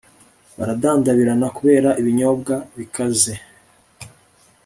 baradandabirana kubera ibinyobwa bikaze,